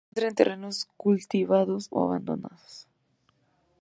Se encuentra en terrenos cultivados o abandonados.